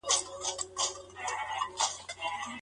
حضرت علي له رسول الله څخه د ستنېدو سبب وپوښت.